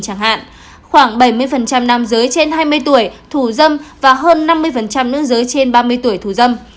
chẳng hạn khoảng bảy mươi nam giới trên hai mươi tuổi thủ dâm và hơn năm mươi nữ giới trên ba mươi tuổi thù dâm